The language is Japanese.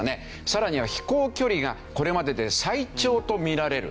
さらには飛行距離がこれまでで最長と見られる。